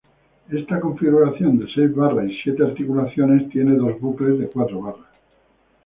Esta configuración de seis barras y siete articulaciones tiene dos bucles de cuatro barras.